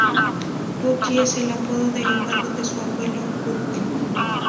Bucky es el apodo derivado de su abuelo "Buck".